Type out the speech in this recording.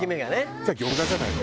じゃあ餃子じゃないの！